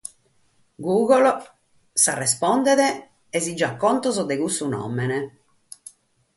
Google nos rispondet e nos dat contos de cussu nùmene.